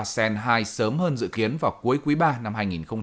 ba sen hai sớm hơn dự kiến vào cuối quý ba năm hai nghìn một mươi chín